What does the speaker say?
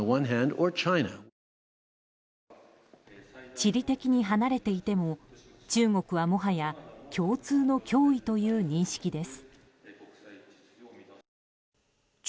地理的に離れていても中国は、もはや共通の脅威という認識です。